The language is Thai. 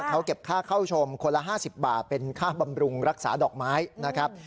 เขาเก็บค่าเข้าชมคนละ๕๐บาทเป็นค่าบำรุงรักษาดอกไม้นะครับ